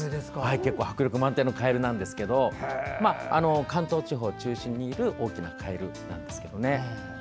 結構迫力満点のカエルなんですが関東地方中心にいる大きなカエルです。